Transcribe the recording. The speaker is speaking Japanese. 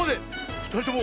ふたりとも